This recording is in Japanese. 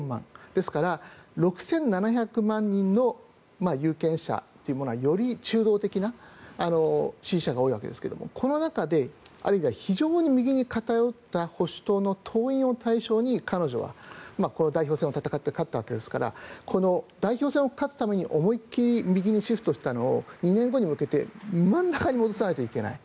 ですから、６７００万人の有権者というものはより中道的な支持者が多いわけですがこの中で非常に右に偏った保守党の党員を対象に彼女は代表選を戦って勝ったわけですからこの代表選を勝つために思いっ切り右にシフトしたのを２年後に向けて真ん中に戻さないといけない。